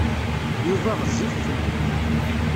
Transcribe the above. Yuba ɣezzif fell-i.